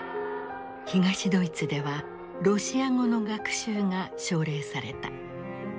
東ドイツではロシア語の学習が奨励された。